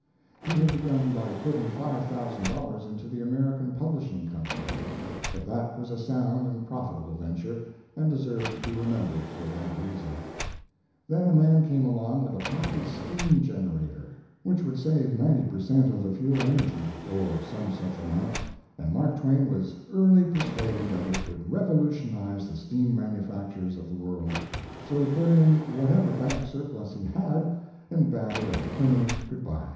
He had begun by putting five thousand dollars into the American Publishing Company; but that was a sound and profitable venture, and deserves to be remembered for that reason. Then a man came along with a patent steam generator which would save ninety per cent. of the fuel energy, or some such amount, and Mark Twain was early persuaded that it would revolutionize the steam manufactures of the world; so he put in whatever bank surplus he had and bade it a permanent good by.